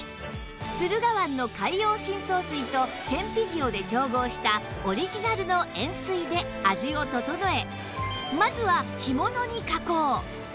駿河湾の海洋深層水と天日塩で調合したオリジナルの塩水で味を調え